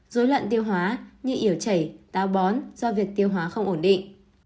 dối loạn tiêu hóa như yểu chảy táo bón do việc tiêu hóa không ổn định